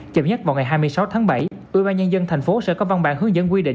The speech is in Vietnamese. chậm nhất vào ngày hai mươi sáu tháng bảy ubnd tp sẽ có văn bản hướng dẫn quy định